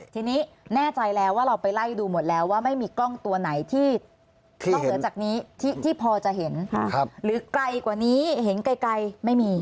ทีนี้แน่ใจแล้วว่าเราไปไล่ดูหมดแล้วว่าไม่มีกล้องตัวไหนที่นอกเหนือจากนี้ที่พอจะเห็นหรือไกลกว่านี้เห็นไกลไม่มี